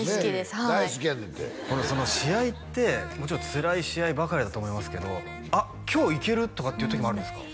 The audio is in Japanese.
はい大好きやねんて試合ってつらい試合ばかりだと思いますけど「あっ今日いける」とかっていう時もあるんですか？